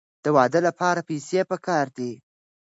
د واده لپاره پیسې پکار دي.